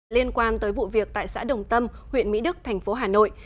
liên quan tới vụ việc tại xã đồng tâm huyện mỹ đức thành phố hà nội